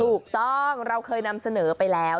ถูกต้องเราเคยนำเสนอไปแล้ว